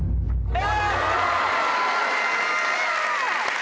え！